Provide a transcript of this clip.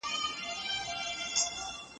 که مورنۍ ژبه وي، نو پوهیدلو کي ستونزي نه راځي.